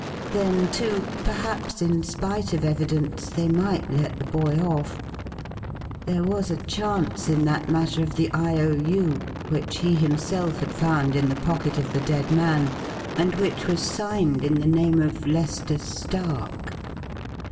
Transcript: Then too, perhaps in spite of evidence, they might let the boy off. There was a chance in that matter of the I.O.U., which he himself had found in the pocket of the dead man, and which was signed in the name of Lester Stark.